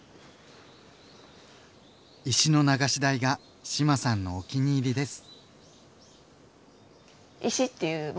石の流し台が志麻さんのお気に入りです。